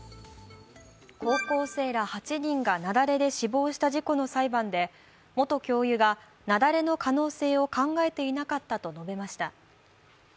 高校生ら８人が雪崩で死亡した事故の裁判で、元教諭が雪崩の可能性を考えていなかったと述べました。